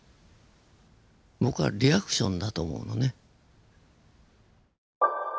僕はリアクションだと思うのね。